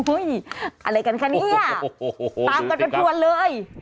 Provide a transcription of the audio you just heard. อุ้ยอะไรกันค่ะเนี้ยโอ้โหโหตามกันเป็นทวนเลย